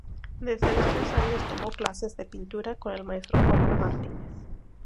Desde los tres años tomó clases de pintura con el maestro Jorge Martínez.